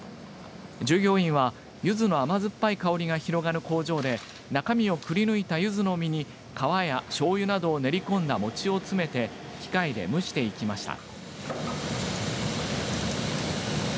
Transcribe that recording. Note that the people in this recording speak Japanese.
従業員は、ゆずの甘酸っぱい香りが広がる工場で中身をくりぬいたゆずの実に皮や、しょうゆなどを練り込んだ餅を詰めて機械で蒸していきました。